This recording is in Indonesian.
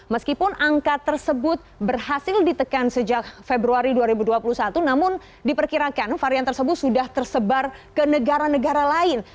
meskipun angka tersebut berhasil ditekan sejak februari dua ribu dua puluh satu namun diperkirakan varian tersebut sudah tersebar ke negara negara lain